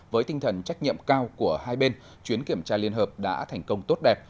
với tinh thần trách nhiệm cao của hai bên chuyến kiểm tra liên hợp đã thành công tốt đẹp